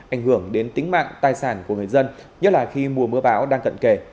ảnh hưởng đến tính mạng tài sản của người dân nhất là khi mùa mưa bão đang cận kề